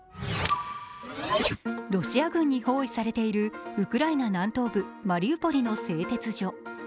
ロシア軍に包囲されているウクライナ南東部マリウポリの製鉄所。